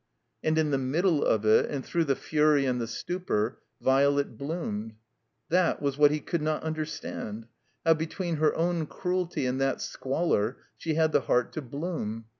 And in the middle of it, and through the fury and the stupor, Violet bloomed. That was what he could not xmderstand; how between her own cruelty and that squalor she had the heart to bloom.